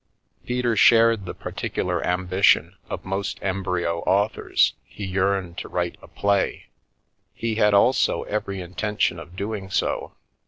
Peter shared the particular ambition of most embryo authors — he yearned to write a play. He had also every intention of doing so.